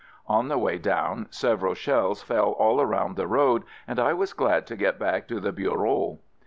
On the way down, several shells fell all around the road and I was glad to get back to the Bureau.